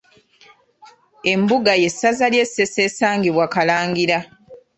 Embuga y'essaza ly’e Ssese esangibwa Kalangira.